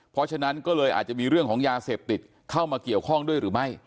เพราะฉะนั้นก็เลยอาจจะมีเรื่องของยาเสพติดเข้ามาเกี่ยวข้องด้วยหรือไม่